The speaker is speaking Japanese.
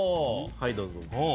はいどうぞ。